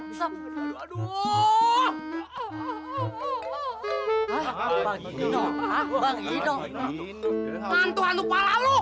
mantu antu kepala lu